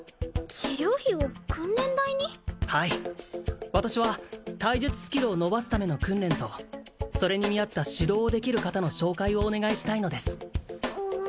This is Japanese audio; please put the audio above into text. はい私は体術スキルを伸ばすための訓練とそれに見合った指導をできる方の紹介をお願いしたいのですうん